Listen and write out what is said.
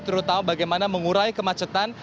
terutama bagaimana mengurai kemacetan